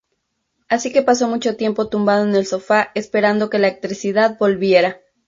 Así que pasó mucho tiempo tumbado en el sofá esperando que la electricidad volviera.